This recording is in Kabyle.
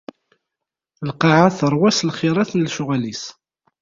Lqaɛa teṛwa si lxirat n lecɣal-is.